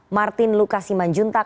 martin lukasiman juntak